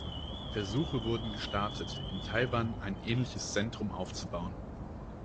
Versuche wurden gestartet, in Taiwan ein ähnliches Zentrum aufzubauen.